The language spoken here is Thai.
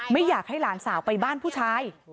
ไม่อยากให้หลานสาวไปบ้านผู้ชาย